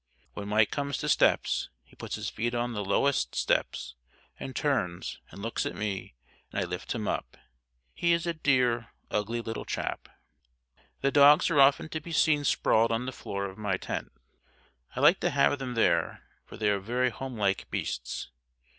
When Mike comes to steps, he puts his feet on the lowest steps and turns and looks at me and I lift him up. He is a dear ugly little chap. The dogs are often to be seen sprawled on the floor of my tent. I like to have them there for they are very home like beasts.